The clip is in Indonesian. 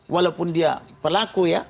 walaupun dia pelaku ya